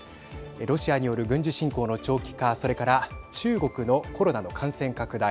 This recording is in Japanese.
ロシアによる軍事侵攻の長期化、それから中国のコロナの感染拡大。